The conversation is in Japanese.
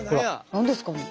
何ですかね？